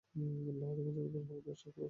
আল্লাহ তোমাদের উপর রহমত বর্ষণ করবেন।